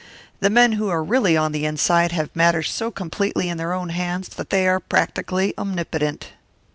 The men who are really on the inside have matters so completely in their own hands that they are practically omnipotent."